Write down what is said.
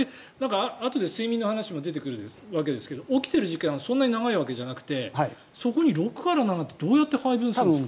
あとで睡眠の話も出てくるわけですけど起きてる時間がそんなに長いわけじゃなくてそこに６から７ってどうやって配分するんですか？